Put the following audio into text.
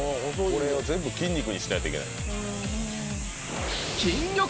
これを全部筋肉にしないといけない。